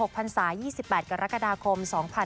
พันศา๒๘กรกฎาคม๒๕๖๒